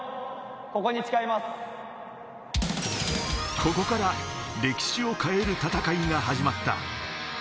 ここから歴史を変える戦いが始まった。